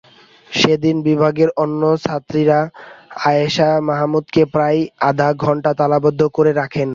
সেদিন বিভাগের অন্য শিক্ষার্থীরা আয়েষা মাহমুদাকে প্রায় আধঘণ্টা তালাবদ্ধ করে রাখেন।